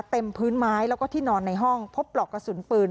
เต็มพื้นไม้แล้วก็ที่นอนในห้องพบปลอกกระสุนปืน